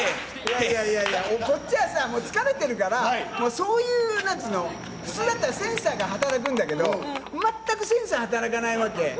いやいやいや、こっちはさ、疲れてるから、もうそういうなんていうの、普通だったらセンサーが働くんだけど、全くセンサー働かないわけ。